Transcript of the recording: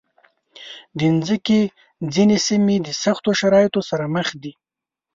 د مځکې ځینې سیمې د سختو شرایطو سره مخ دي.